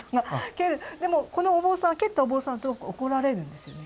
でもこの蹴ったお坊さんはすごく怒られるんですよね。